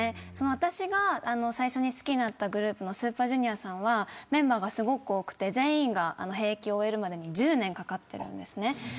私が最初に好きになったＳＵＰＥＲＪＵＮＩＯＲさんはメンバーが多くて全員が兵役を終えるまで１０年かかっているんですね。